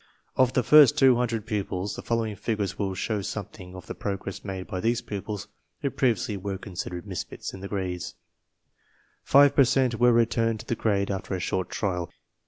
Of the first 200 pu pils, the following figures will show something of the progress made by these pupils who previously were con sidered "misfits" in the grades: 5 per cent were returned to the grade after a short trial.